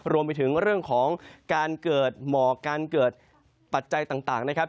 รวมไปถึงเรื่องของการเกิดหมอกการเกิดปัจจัยต่างนะครับ